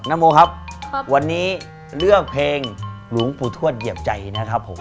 โมครับวันนี้เลือกเพลงหลวงปู่ทวดเหยียบใจนะครับผม